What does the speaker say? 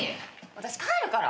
私帰るから。